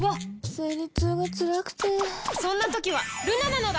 生理痛がつらくてそんな時はルナなのだ！